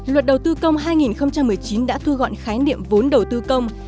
luật đầu tư công hai nghìn một mươi chín đã thu gọn khái niệm vốn đầu tư công